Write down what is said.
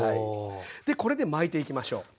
でこれで巻いていきましょう。